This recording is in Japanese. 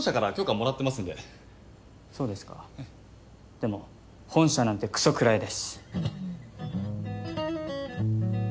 でも本社なんてくそくらえです。